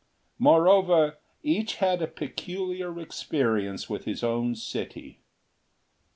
Moreover, each had a peculiar experience with his own city.